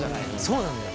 そうなんだよ。